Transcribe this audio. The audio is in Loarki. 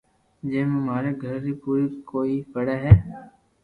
جي مو ماري گھر ري پوري ڪوئي پڙي ھي